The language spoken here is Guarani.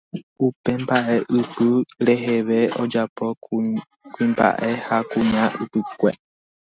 Upe mbaʼeʼypy reheve ojapo kuimbaʼe ha kuña ypykue.